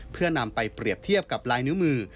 เพื่อนำไปเปรียบเทียบกับลายนิ้วมือ